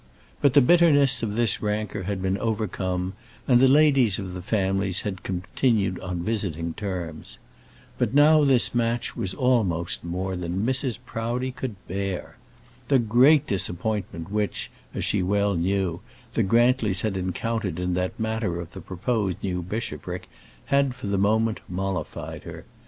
But the bitterness of this rancour had been overcome, and the ladies of the families had continued on visiting terms. But now this match was almost more than Mrs. Proudie could bear. The great disappointment which, as she well knew, the Grantlys had encountered in that matter of the proposed new bishopric had for the moment mollified her.